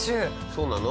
そうなの？